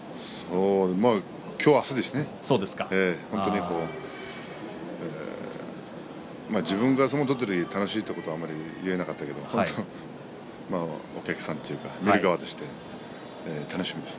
今日、明日、本当に自分が相撲を取っていて楽しいということはあまり言えませんでしたけれどもお客さんというか見る側として楽しみです。